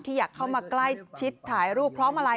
ที่อยากเข้ามาใกล้ชิดถ่ายรูปพร้อมมาลัย